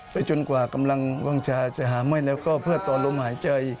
จนกว่ากำลังวางชาจะหาไม่แล้วก็เพื่อต่อลมหายใจ